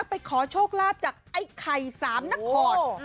ไปขอโชคลาภจากไอ้ไข่สามนคร